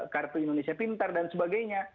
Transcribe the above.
kartu indonesia pintar dan sebagainya